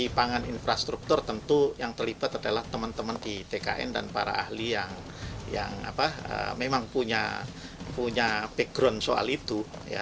di pangan infrastruktur tentu yang terlibat adalah teman teman di tkn dan para ahli yang memang punya background soal itu